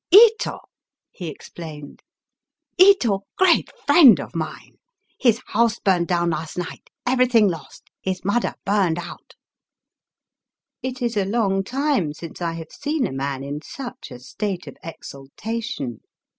" Ito !" he explained. '* Ito great friend of mine. His house burned down last night; everyting lost ; his mudder burned out." It is a long time since I have seen a man in such a state of exultation.